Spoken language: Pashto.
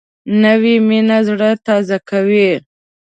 نوې مینه زړه تازه کوي